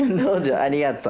ありがとう。